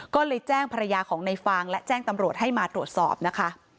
ก็เลยแจ้งภรรยาของในฟางและแจ้งตำรวจให้มาตรวจสอบนะคะ